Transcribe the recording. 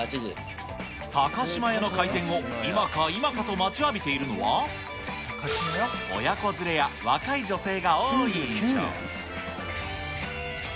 高島屋の開店を、今か今かと待ちわびているのは、親子連れや若い女性が多い印象。